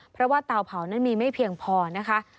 เพราะว่าเตาเผานั้นมีไม่เพียงพอนะคะ